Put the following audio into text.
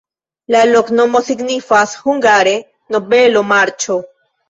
La loknomo signifas hungare: nobelo-marĉo.